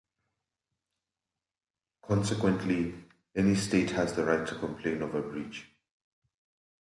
Consequently, any state has the right to complain of a breach.